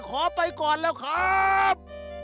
ขอไปก่อนแล้วครับ